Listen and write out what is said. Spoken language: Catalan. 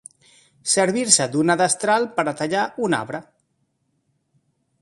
Servir-se d'una destral per a tallar un arbre.